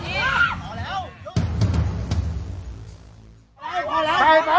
ค่ะเมื่อคืนเราอยู่ตรงไหนฮะเมื่อคืนผมผัดข้าวอยู่ตรงนั้น